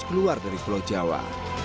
keluar dari pulau jawa